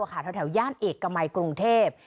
แถวแย่นเอกกะไมกรุงเทพ